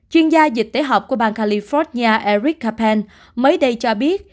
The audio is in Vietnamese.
chuyên gia dịch tế học của bang california eric capel mới đây cho biết